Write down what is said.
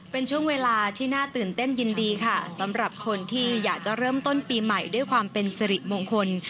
เป็นช่วงเวลาที่น่าตื่นเต้นยินดีค่ะสำหรับคนที่อยากจะเริ่มต้นปีใหม่ด้วยความเป็นสิริมงคล